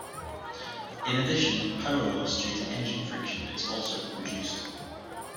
In addition, power loss due to engine friction is also reduced.